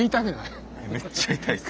めっちゃ痛いです。